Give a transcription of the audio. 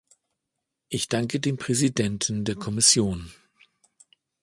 Ich danke dem Präsidenten der Kommission.